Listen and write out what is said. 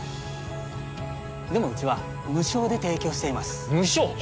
でもうちは無償で提供しています無償？